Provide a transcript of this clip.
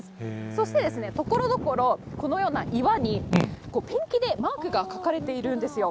そして、ところどころ、このような岩にペンキでマークが書かれているんですよ。